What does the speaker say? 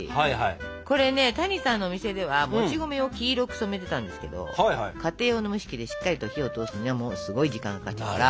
これね谷さんのお店ではもち米を黄色く染めてたんですけど家庭用の蒸し器でしっかりと火を通すにはすごい時間がかかっちゃうから。